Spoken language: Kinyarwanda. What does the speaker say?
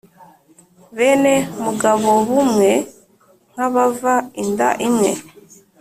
bene mugabobumwe, nk’abava inda imwe,